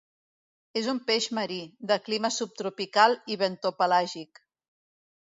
És un peix marí, de clima subtropical i bentopelàgic.